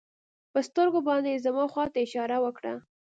په سترګو باندې يې زما خوا ته اشاره وکړه.